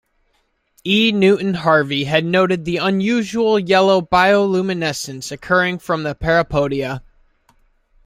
E. Newton Harvey had noted the unusual yellow bioluminescence occurring from the parapodia.